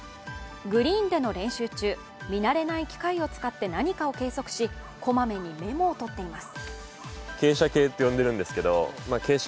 グリーンでの練習中、見慣れない機械を使って何かを計測しこまめにメモを取っています。